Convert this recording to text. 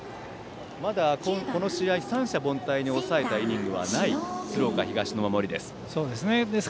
まだこの試合三者凡退に抑えたイニングはない鶴岡東の守りです。